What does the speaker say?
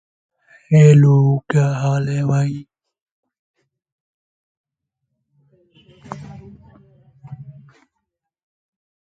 The current mayor of East Camden is Angie McAdoo.